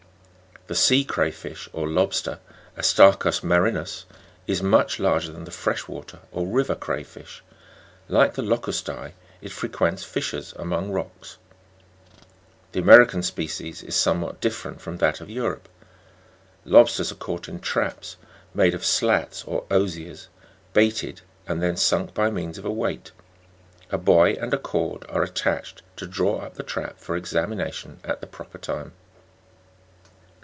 12. The sea cray Jish or lobster Astacus marinus (fg. 61) is much larger than the fresh water or river cray fish ; like the locustas, it frequents fissures among rocks. The American species is somewhat different from that of Europe. Lobsters are caught in traps, made of slats or osiers, baited, and then sunk by means of a weight ; a buoy and cord are attached to draw up the trap for examination, at the proper time.